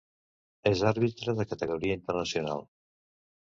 És àrbitre de categoria internacional.